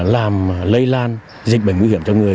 làm lây lan dịch bệnh nguy hiểm cho người